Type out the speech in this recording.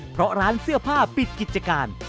เพราะร้านเสื้อผ้าปิดกิจการ